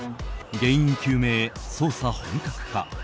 原因究明へ捜査本格化。